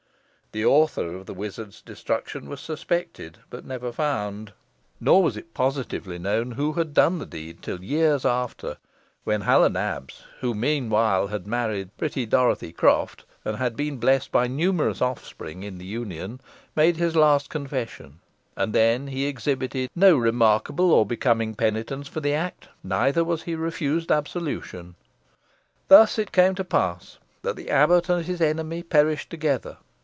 The author of the wizard's destruction was suspected, but never found, nor was it positively known who had done the deed till years after, when Hal o' Nabs, who meanwhile had married pretty Dorothy Croft, and had been blessed by numerous offspring in the union, made his last confession, and then he exhibited no remarkable or becoming penitence for the act, neither was he refused absolution. Thus it came to pass that the abbot and his enemy perished together.